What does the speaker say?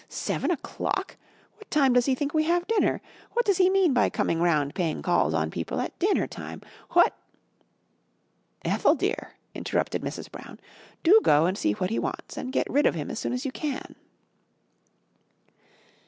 Seven o'clock! What time does he think we have dinner? What does he mean by coming round paying calls on people at dinner time? What " "Ethel, dear," interrupted Mrs. Brown, "do go and see what he wants and get rid of him as soon as you can."